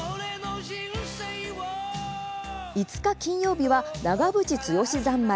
５日、金曜日は「“長渕剛”三昧」。